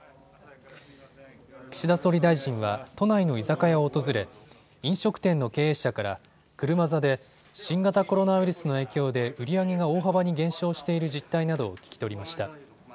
岸田総理大臣は都内の居酒屋を訪れ飲食店の経営者から車座で新型コロナウイルスの影響で売り上げが大幅に減少している実態などを聴き取りました。